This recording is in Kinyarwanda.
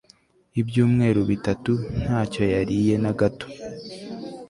ibyumweru bitatu, ntacyo yariye na gato